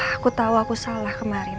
aku tahu aku salah kemarin